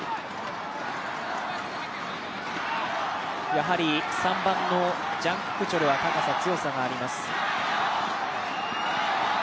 やはり３番のジャン・ククチョルは高さ、強さがあります。